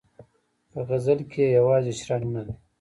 په غزل کې یې یوازې شرنګ نه دی.